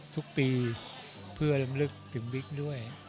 ทุกปีเพื่อลำลึกถึงบิ๊กด้วย